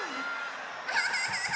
アハハハハ！